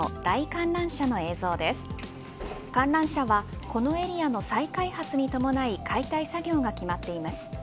観覧車は、このエリアの再開発に伴い解体作業が決まっています。